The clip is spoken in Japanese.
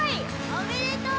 おめでとう。